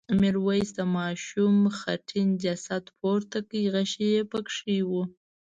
میرويس د ماشوم خټین جسد پورته کړ غشی پکې و.